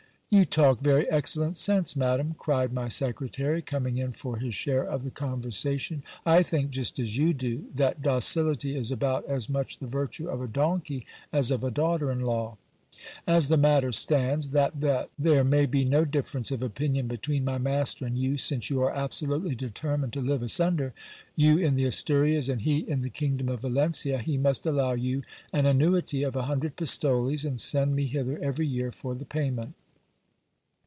You talk very excellent sense, madam, cried my secretary, coming in for his share of the conversation : I think just as you do, that docility is about as much the virtue of a donkey as of a daughter in law. As the matter stands, that that there may be no difference of opinion between my master and you, since you are absolutely determined to live asunder, you in the Asturias, and he in the kingdom of Valencia, he must allow you an annuity of a hundred pistoles, and send me hither every year for the payment.